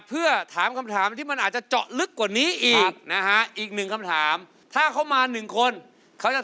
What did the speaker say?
เพื่อถามคำถามที่มันอาจจะเจาะลึกกว่านี้อีกนะฮะอีกหนึ่งคำถามนะฮะ